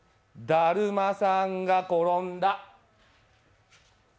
だるまさんが転んだ。